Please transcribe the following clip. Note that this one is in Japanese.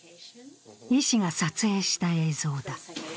医師が撮影した映像だ。